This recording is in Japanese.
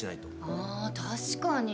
あ確かに。